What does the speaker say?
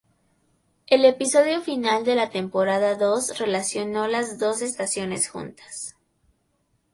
El episodio final de la temporada dos relacionó las dos estaciones juntas.